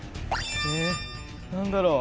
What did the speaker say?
えっ何だろう？